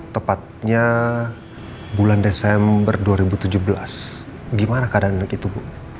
tepatnya bulan desember dua ribu tujuh belas gimana keadaan begitu bu